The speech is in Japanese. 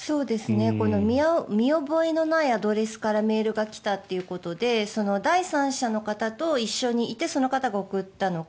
見覚えのないアドレスからメールが来たということで第三者の方と一緒にいてその方が送ったのか。